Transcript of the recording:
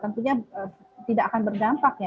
tentunya tidak akan berdampak ya